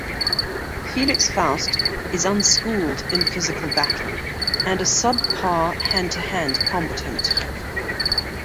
Felix Faust is unschooled in physical battle, and a sub-par hand-to-hand combatant.